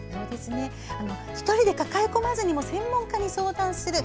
１人で抱え込まずに専門家に相談する。